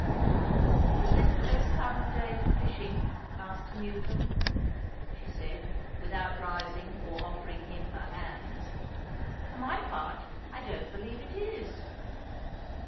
"Is this the best time of day for fishing, Master Newcombe?" she said, without rising or offering him her hand. "For my part, I don't believe it is."